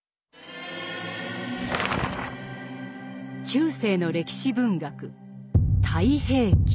中世の歴史文学「太平記」。